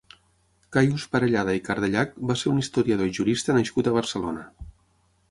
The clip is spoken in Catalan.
Caius Parellada i Cardellach va ser un historiador i jurista nascut a Barcelona.